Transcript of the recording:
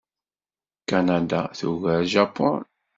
Kanada tugar Japun.